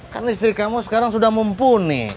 kan istri kamu sekarang sudah mumpuni